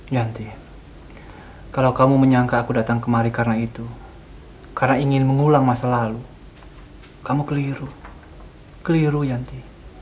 yanti kalau kamu menyangka aku datang kemari karena itu karena ingin mengulang masa lalu kamu keliru keliru yanti